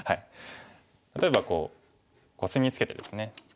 例えばコスミツケてですね。